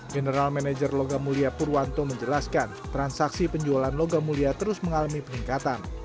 general manager logam mulia purwanto menjelaskan transaksi penjualan logam mulia terus mengalami peningkatan